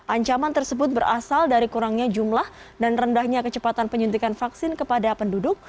ancaman tersebut berasal dari kurangnya jumlah dan rendahnya kecepatan penyuntikan vaksin kepada penduduk